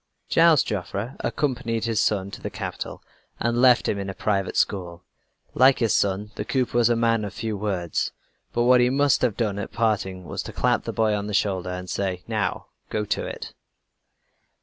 Gilles Joffre accompanied his son to the capital, and left him in a private school. Like his son, the cooper was a man of few words; but what he must have done at parting was to clap the boy on the shoulder, and say: "Now, go to it!"